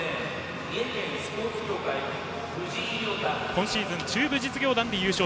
藤井亮汰は今シーズン、中部実業団で優勝。